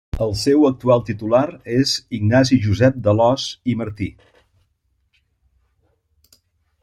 El seu actual titular és Ignasi Josep d'Alòs i Martí.